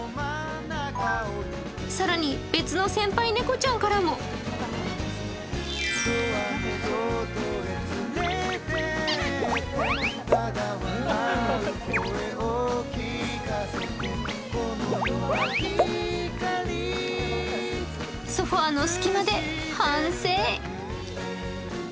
更に別の先輩猫ちゃんからもソファーの隙間で反省。